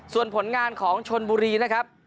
ส่วนผลงานของชนบุรีนะครับ